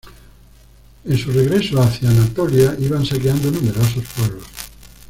En su regreso hacia Anatolia, iban saqueando numerosos pueblos.